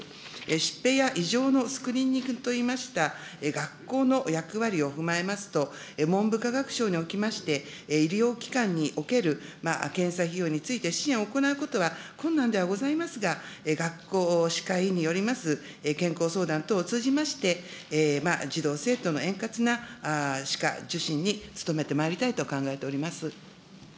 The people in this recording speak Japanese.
疾病や異常のスクリーニングといいました学校の役割を踏まえますと、文部科学省におきまして、医療機関における検査費用について、支援を行うことは、困難ではございますが、学校、歯科医によります健康相談等を通じまして、児童・生徒の円滑な歯科受診に努めてまいりたいと考えております。